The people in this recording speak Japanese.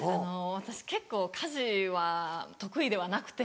私結構家事は得意ではなくて。